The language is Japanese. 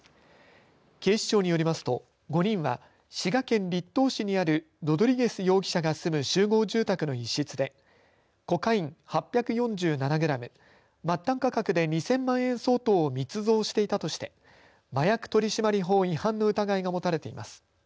警視庁によりますと５人は滋賀県栗東市にあるロドリゲス容疑者が住む集合住宅の一室でコカイン８４７グラム末端価格で２０００万円相当を密造していたとして麻薬取締法違反の疑いが持たれています。